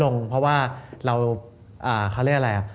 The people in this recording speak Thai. ลงเพราะว่าเราเขาเรียกอะไรอ่ะ